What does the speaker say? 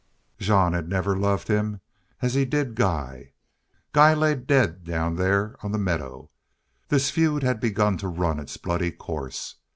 Jean had never loved him as he did Guy. Guy lay dead down there on the meadow. This feud had begun to run its bloody course.